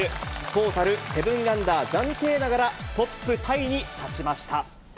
トータル７アンダー、暫定ながらトップタイに立ちました。